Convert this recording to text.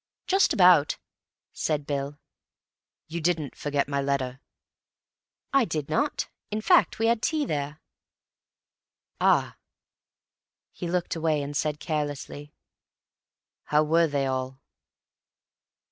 "Just about," said Bill. "You didn't forget my letter?" "I did not. In fact, we had tea there." "Ah!" He looked away and said carelessly, "How were they all?"